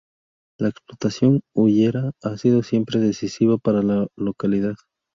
La explotación hullera ha sido siempre decisiva para localidad.